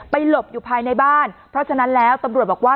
หลบอยู่ภายในบ้านเพราะฉะนั้นแล้วตำรวจบอกว่า